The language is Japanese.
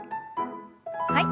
はい。